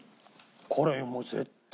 これもう絶対。